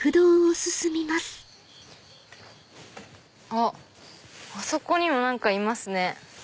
あっあそこにも何かいますね。